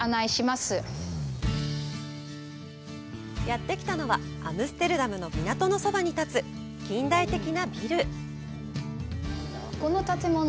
やってきたのはアムステルダムの港のそばに建つ近代的なビル。